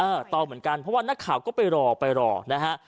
ต่อเหมือนกันเพราะว่านักข่าวก็ไปรอไปรอนะฮะ